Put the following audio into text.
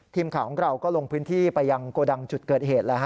ทีมข่าวของเราก็ลงพื้นที่ไปยังโกดังจุดเกิดเหตุ